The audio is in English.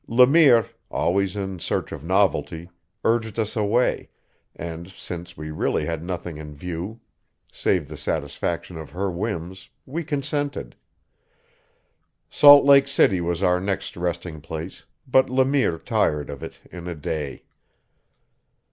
Le Mire, always in search of novelty, urged us away, and, since we really had nothing in view save the satisfaction of her whims, we consented. Salt Lake City was our next resting place, but Le Mire tired of it in a day.